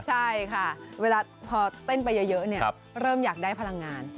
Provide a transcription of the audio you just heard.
ใช่ค่ะเวลาพอเต้นไปเยอะเริ่มอยากได้พลังงาน